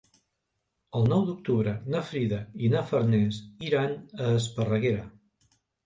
El nou d'octubre na Frida i na Farners iran a Esparreguera.